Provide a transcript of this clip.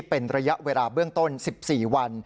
เป็นระยะเวลาเบื้องต้น๑๔วัน